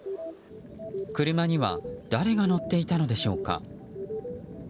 車には誰が乗っていたのでしょうか。